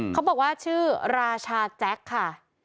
เขาบอกว่าชื่อราชาแจ็คค่ะ